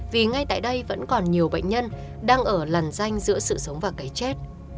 vì ngay tại đây vẫn còn nhiều bệnh nhân đang ở làn danh giữa sự sống và cái chết